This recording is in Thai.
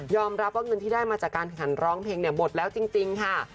รับว่าเงินที่ได้มาจากการแข่งขันร้องเพลงเนี่ยหมดแล้วจริงค่ะ